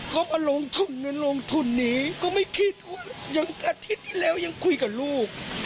เขามาลงทุนในลงทุนนี้ก็ไม่คิดว่ายังอาทิตย์ที่แล้วยังคุยกับลูก